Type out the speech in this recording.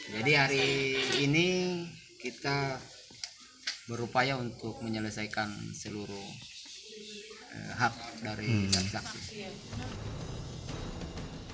jadi hari ini kita berupaya untuk menyelesaikan seluruh hak dari saksi